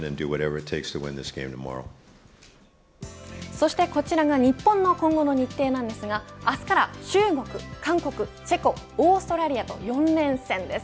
そしてこちらが日本の今後の日程なんですが明日から中国、韓国、チェコオーストラリアと４連戦です。